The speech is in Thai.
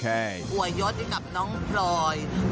แล้วอวยยดให้กับเจ้านางเจ๊นะคะ